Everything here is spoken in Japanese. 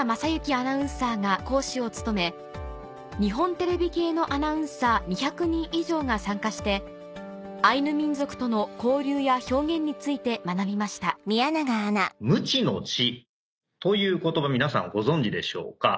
アナウンサーが講師を務め日本テレビ系のアナウンサー２００人以上が参加してアイヌ民族との交流や表現について学びました「無知の知」という言葉皆さんご存じでしょうか。